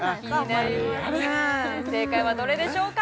あんまり正解はどれでしょうか？